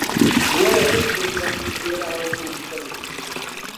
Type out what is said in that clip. وەرە ئەی گوڵبنی تێراوم ئەمشەو